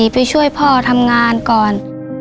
ไปช่วยพ่อทำงานก่อน